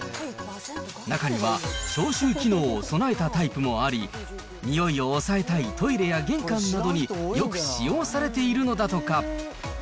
中には消臭機能を備えたタイプもあり、においを抑えたいトイレや玄関などによく使用されているのだとか。